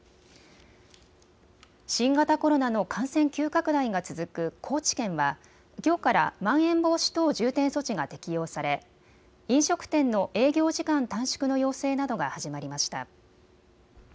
新型コロナの感染急拡大が続く高知県はきょうからまん延防止等重点措置が適用され飲食店の営業時間短縮の要請などが始まりました。